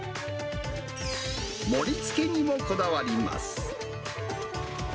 盛りつけにもこだわります。